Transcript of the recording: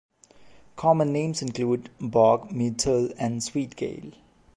Common names include bog-myrtle and sweetgale.